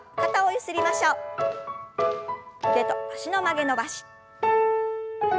腕と脚の曲げ伸ばし。